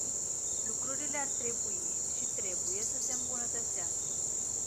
Lucrurile ar trebui și trebuie să se îmbunătățească.